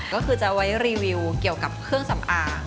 ก็คือจะไว้รีวิวเกี่ยวกับเครื่องสำอาง